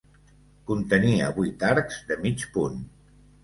Contenia vuit arcs de mig punt.